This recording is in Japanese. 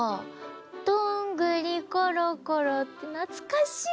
「どんぐりころころ」ってなつかしい！